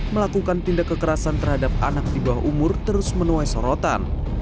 melakukan tindak kekerasan terhadap anak di bawah umur terus menuai sorotan